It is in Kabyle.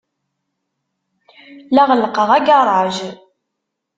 La ɣellqeɣ agaṛaj.